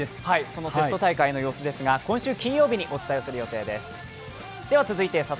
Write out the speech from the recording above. そのテスト大会の様子ですが今週金曜日にお伝えする予定です。